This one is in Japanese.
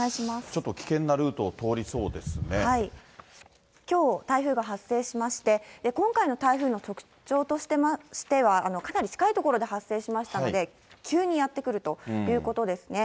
ちょっと危険なルートを通りきょう台風が発生しまして、今回の台風の特徴としては、かなり近い所で発生しましたので、急にやってくるということですね。